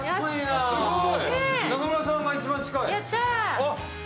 中村さんが一番近いやったー